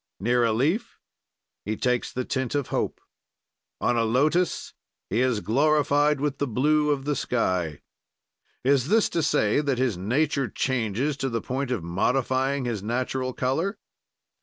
"Near a leaf, he takes the tint of hope. "On a lotus, he is glorified with the blue of the sky. "Is this to say that his nature changes to the point of modifying his natural color?